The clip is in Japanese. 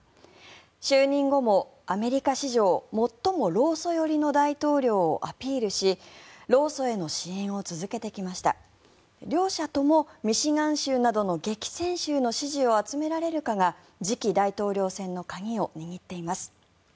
就任後もアメリカ史上最も労組寄りの大統領をアピールし労組への支援を続けてきました。両者ともミシガン州などの激戦州の支持を集められるかが次期大統領選の鍵を握っています。